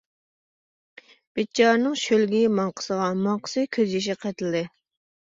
بىچارىنىڭ شۆلگىيى ماڭقىسىغا، ماڭقىسى كۆز يېشىغا قېتىلدى.